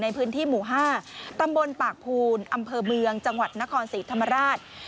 ในพื้นที่หมู่๕ตำบลปากภูนอำเภอเมืองจังหวัดนครศรีธรรมราช